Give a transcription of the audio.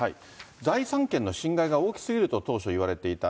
財産権の侵害が大きすぎると当初言われていた。